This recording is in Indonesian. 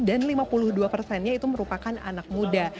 dan lima puluh dua persennya itu merupakan anak muda